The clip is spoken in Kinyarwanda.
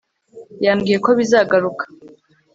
Yambwiye ko bizagaruka